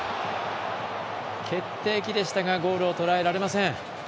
決定機でしたがゴールを捉えられません。